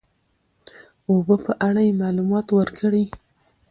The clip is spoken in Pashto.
او په اړه يې معلومات ورکړي .